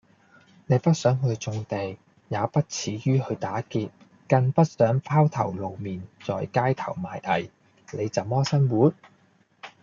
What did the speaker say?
你不想去種地；又不恥於去打劫；更不想拋頭露面在街頭賣藝。你怎麼生活？